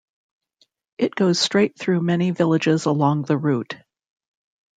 It goes straight through many villages along the route.